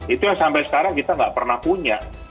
itu yang sampai sekarang kita nggak pernah punya